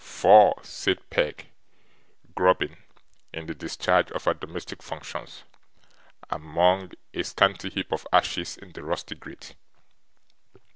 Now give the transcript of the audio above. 'Faugh!' said Peg, grubbing, in the discharge of her domestic functions, among a scanty heap of ashes in the rusty grate.